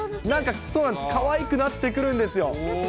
なんかかわいくなってくるんですよ。